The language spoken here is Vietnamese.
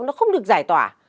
nó không được giải tỏa